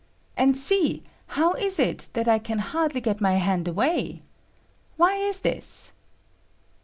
And seel how is it that I can hardly get my hand away? Why is this?